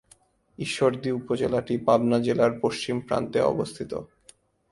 ঈশ্বরদী উপজেলাটি পাবনা জেলার পশ্চিম প্রান্তে অবস্থিত।